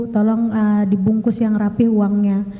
tolong dibungkus yang rapih uangnya